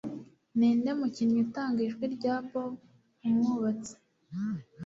Ninde Mukinnyi Utanga Ijwi rya Bob Umwubatsi